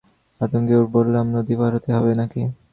আঁতকে উঠে বললাম, নদী পার হতে হবে নাকি?